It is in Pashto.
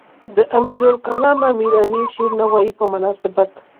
د امیرالکلام امیرعلی شیرنوایی په مناسبت.